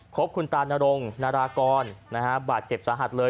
พบคุณตานรงนารากรบาดเจ็บสาหัสเลย